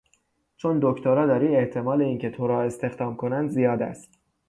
چون دکترا داری احتمال اینکه تو را استخدام کنند زیاد است.